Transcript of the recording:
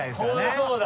そうだね。